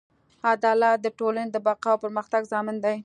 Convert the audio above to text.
عدالت د ټولنې د بقا او پرمختګ ضامن دی.